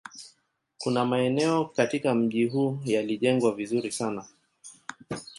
Kuna maeneo katika mji huu yalijengwa vizuri sana